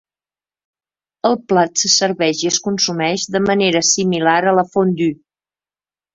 El plat se serveix i es consumeix de manera similar a la fondue.